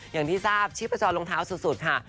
อย่างที่ทราบชีพจรรองเท้าสุดค่ะ